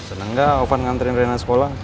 seneng gak ovan nganterin rena sekolah